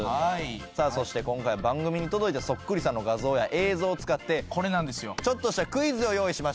さあそして今回は番組に届いたそっくりさんの画像や映像を使ってちょっとしたクイズを用意しました。